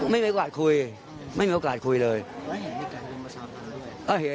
ไม่มีกว่าคุยไม่มีโอกาสคุยเลยแล้วเห็นในการเรียนประชาปันด้วย